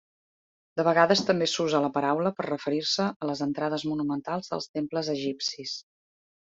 De vegades també s'usa la paraula per referir-se a les entrades monumentals dels temples egipcis.